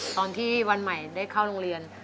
ตอนที่วันใหม่ได้เข้าโรงเรียน